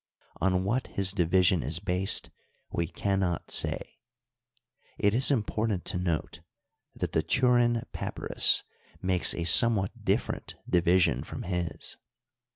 On what his division is based we can not say. It is important to note that the Turin Papyrus makes a somewhat different division from his.